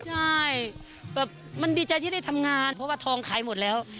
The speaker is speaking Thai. ใช่แบบมันดีใจที่ได้ทำงานเพราะว่าทองขายหมดแล้ว